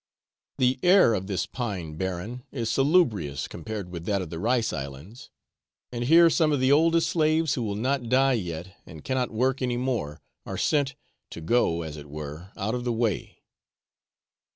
The air of this pine barren is salubrious compared with that of the rice islands, and here some of the oldest slaves who will not die yet, and cannot work any more, are sent, to go, as it were, out of the way.